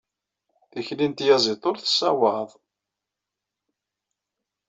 Tikli n tyaẓiḍt ur tessawaḍ.